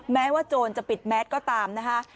แม้ว่าโจรจะปิดแมสก็ตามนะคะ